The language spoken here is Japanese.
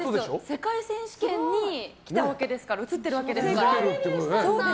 世界選手権に来たわけですから映ってるわけですから。